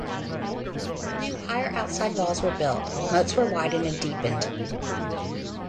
New higher outside walls were built, moats were widened and deepened.